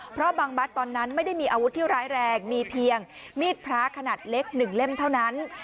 เพราะบางบัตรตอนนั้นไม่ได้มีอาวุธที่ร้ายแรงมีเพียงมีดพระขนาดเล็ก๑เล่มเท่านั้น